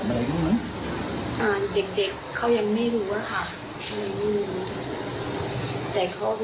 แต่เขารู้ค่ะว่ามีเด็กในโรงเรียนนี้เสียชีวิต